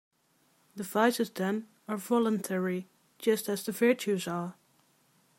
The vices then, are voluntary just as the virtues are.